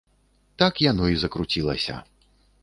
Так яно і закруцілася.